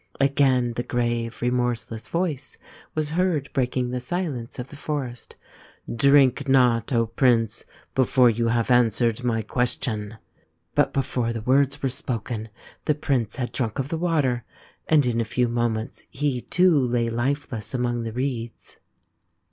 Again the grave, remorseless Voice was heard breaking the silence of the forest. " Drink not, Prince, before you have answered my question." But before the words were spoken the prince had drunk of the water, and in a few moments he too lay lifeless among the reeds.